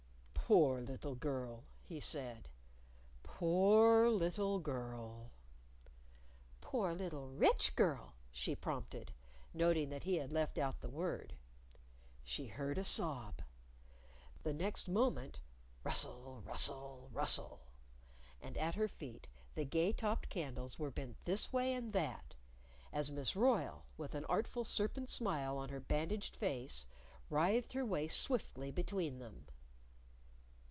"Poor little girl!" he said. "Poor little girl!" "Poor little rich girl," she prompted, noting that he had left out the word. She heard a sob! The next moment, Rustle! Rustle! Rustle! And at her feet the gay topped candles were bent this way and that as Miss Royle, with an artful serpent smile on her bandaged face, writhed her way swiftly between them!